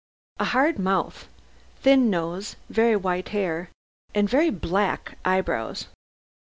A hard mouth, thin nose, very white hair and very black eyebrows.